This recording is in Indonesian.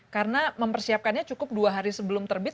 karena mempersiapkannya cukup dua hari sebelum terbit